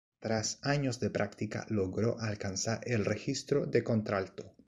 Tras años de práctica, logró alcanzar el registro de contralto.